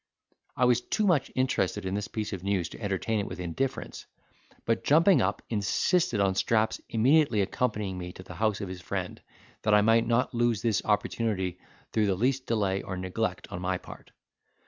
I was too much interested in this piece of news to entertain it with indifference; but, jumping up, insisted on Strap's immediately accompanying me to the house of his friend, that I might not lose this opportunity through the least delay or neglect on my part.